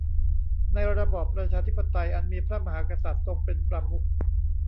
ในระบอบประชาธิปไตยอันมีพระมหากษัตริย์ทรงเป็นประมุข